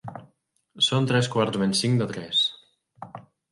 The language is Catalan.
Són tres quarts menys cinc de tres.